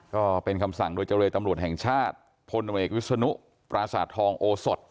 ก็เป็นคำสั่งโดยเจรตำรวจแห่งชาติพลโนเอกวิศนุปราสาททองโอสด